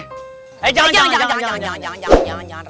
eh jangan jangan jangan